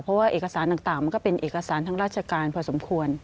เพราะว่าเอกสารต่างมันก็เป็นเอกสารทางราชการพอสมควร